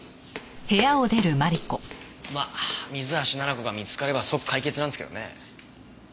まあ水橋奈々子が見つかれば即解決なんですけどね。